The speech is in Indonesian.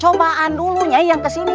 cobaan dulu nyai yang kesini